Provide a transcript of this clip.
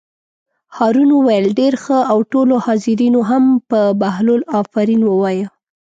هارون وویل: ډېر ښه او ټولو حاضرینو هم په بهلول آفرین ووایه.